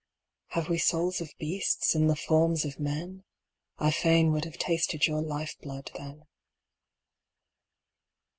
Have we souls of beasts in the forms of men? I fain would have tasted your life blood then.